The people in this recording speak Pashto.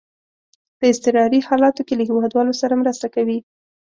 په اضطراري حالاتو کې له هیوادوالو سره مرسته کوي.